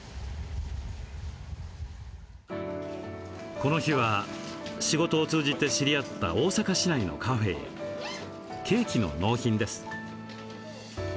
この日は仕事を通じて知り合った大阪市内のカフェへケーキの納品です。